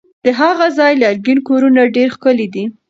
د هغه ځای لرګین کورونه ډېر ښکلي دي.